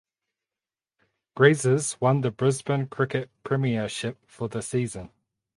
Graziers won the Brisbane cricket premiership for the season.